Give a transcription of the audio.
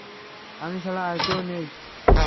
আমি ছাড়া আর কেউ নেই।